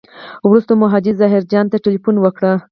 وروسته مو حاجي ظاهر جان ته تیلفون وکړ.